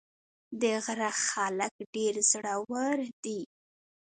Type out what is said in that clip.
د غره خلک ډېر زړور دي.